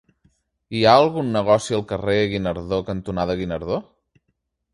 Hi ha algun negoci al carrer Guinardó cantonada Guinardó?